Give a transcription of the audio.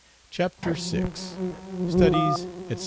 CHAPTER VI. STUDIES, ETC.